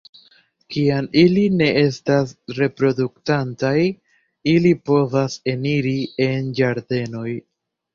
Kiam ili ne estas reproduktantaj, ili povas eniri en ĝardenoj.